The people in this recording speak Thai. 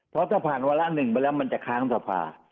เพราะถ้าผ่านวาระหนึ่งไปแล้วมันจะค้างสภา